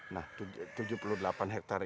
nah tujuh puluh delapan hektare